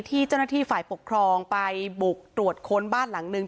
ที่เจ้าหน้าที่ฝ่ายปกครองไปบุกตรวจค้นบ้านหลังนึง